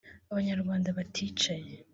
Abanyarwanda baticaye